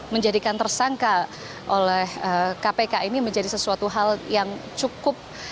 menjadikan tersangka oleh kpk ini menjadi sesuatu hal yang cukup